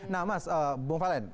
nah mas bung valen